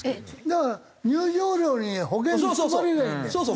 だから入場料に保険含まれりゃいいんだよ。